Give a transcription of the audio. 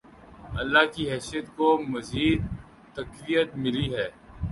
اللہ کی حیثیت کو مزید تقویت ملی ہے۔